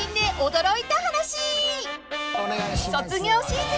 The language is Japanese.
［卒業シーズン］